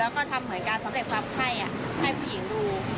แล้วก็ทำเหมือนการสำเร็จความไข้ให้ผู้หญิงดู